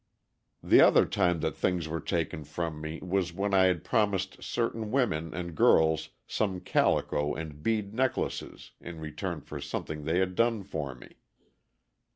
The other time that things were taken from me was when I had promised certain women and girls some calico and bead necklaces in return for something they had done for me.